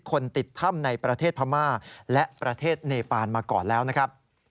คนติดถ้ำในประเทศพม่าและประเทศเนปานมาก่อนแล้วนะครับ